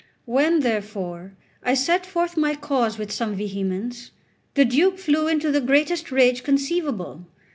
When, therefore, I set forth my cause with some vehemence, the Duke flew into the greatest rage conceivable.